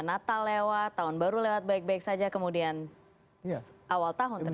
natal lewat tahun baru lewat baik baik saja kemudian awal tahun terjadi